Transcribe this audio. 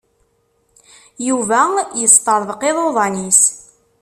Yuba yesṭeṛḍeq iḍuḍan-is.